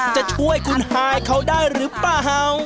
จะช่วยคุณฮายเขาได้หรือเปล่า